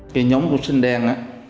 cái nhóm của sinh đen